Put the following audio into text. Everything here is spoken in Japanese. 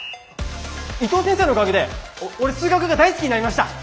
伊藤先生のおかげで俺数学が大好きになりました！